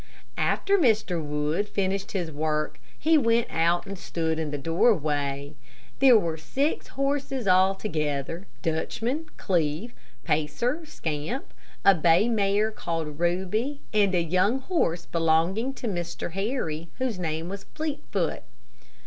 After Mr. Wood finished his work he went and stood in the doorway. There were six horses altogether: Dutchman, Cleve, Pacer, Scamp, a bay mare called Ruby, and a young horse belonging to Mr. Harry, whose name was Fleetfoot.